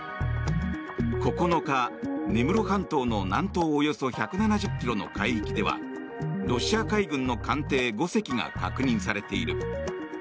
９日、根室半島の南東およそ１７０ｋｍの海域ではロシア海軍の艦艇５隻が確認されている。